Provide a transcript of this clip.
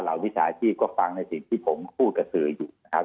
วิชาชีพก็ฟังในสิ่งที่ผมพูดกับสื่ออยู่นะครับ